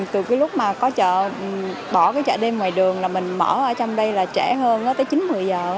từ cái lúc mà có chợ bỏ cái chợ đêm ngoài đường là mình mở ở trong đây là trẻ hơn tới chín một mươi giờ